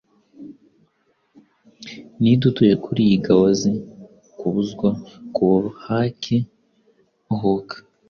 Ninde utuye kuriyi gaozi, kubuzwa kubuhake, ohoka